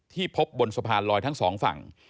ที่พบบนสะพานลอยทั้ง๒ฝั่ง